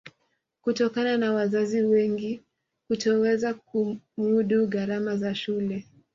Kutokana na wazazi wengi kutoweza kumudu gharama za shule